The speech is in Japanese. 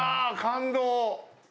感動！